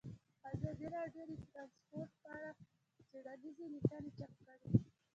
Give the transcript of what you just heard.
ازادي راډیو د ترانسپورټ په اړه څېړنیزې لیکنې چاپ کړي.